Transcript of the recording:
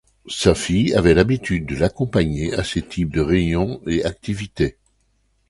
Sa fille avait l'habitude de l'accompagner à ces types de réunions et activités.